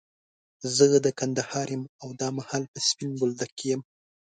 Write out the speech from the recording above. زه د کندهار يم، او دا مهال په سپين بولدک کي يم.